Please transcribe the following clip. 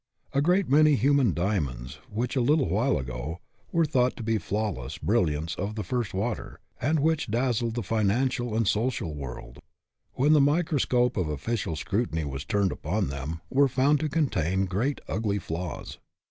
A great many human diamonds which, a little while ago, were thought to be flawless brilliants of the first water, and which dazzled the financial and social world, when the micro scope of official scrutiny was turned upon them, were found to contain great ugly flaws.